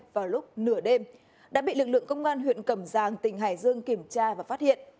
vào lúc nửa đêm đã bị lực lượng công an huyện cẩm giang tỉnh hải dương kiểm tra và phát hiện